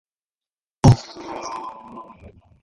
It also says something about its history: how it has come about.